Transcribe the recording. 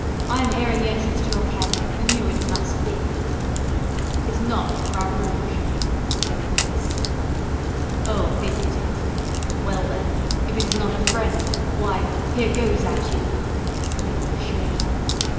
I am here in the entrance to your 'ken,' and you it must be." "'Tis not Bras Rouge!" said the voice. "Oh! isn't it? Well, then, if it is not a friend, why, here goes at you," exclaimed the Chourineur.